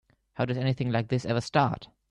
How does anything like this ever start?